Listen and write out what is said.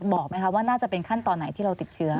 บอกไหมคะว่าน่าจะเป็นขั้นตอนไหนที่เราติดเชื้อ